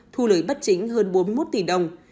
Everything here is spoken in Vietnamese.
thu lời bất chính hơn bốn mươi một tỷ đồng